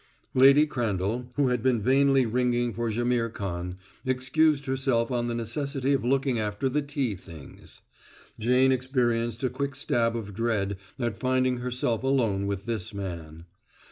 Lady Crandall, who had been vainly ringing for Jaimihr Khan, excused herself on the necessity of looking after the tea things. Jane experienced a quick stab of dread at finding herself alone with this man.